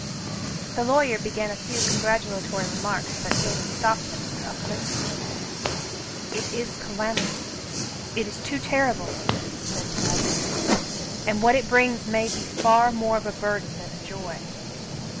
The lawyer began a few congratulatory remarks, but David stopped him, with uplifted hand. It is calamitous. It is too terrible," he said sadly. "And what it brings may be far more of a burden than a joy."